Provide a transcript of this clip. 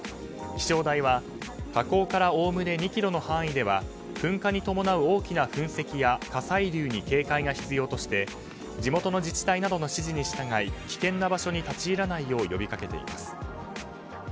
気象台は火口からおおむね２ｋｍの範囲では噴火に伴う大きな噴石や火砕流に警戒が必要として地元の自治体などの指示に従い危険な場所に立ち入らないよう呼びかけています。